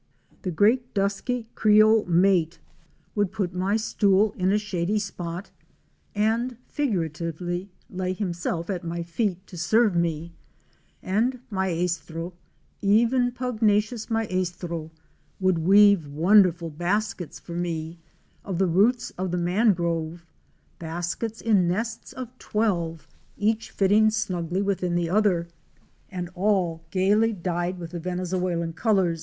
The great dusky Creole mate would put my 80 OUR SEARCH FOR A WILDERNESS. stool in a shady spot, and, figuratively, lay himself at my feet to serve me, and Maestro—even pugnacious Maestro — would weave wonderful baskets for me of the roots of the man grove; baskets in nests of twelve, each fitting snugly within the other and all gayly dyed with the Venezuelan colors, the Fic.